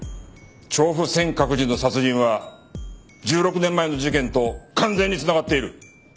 調布先覚寺の殺人は１６年前の事件と完全に繋がっている。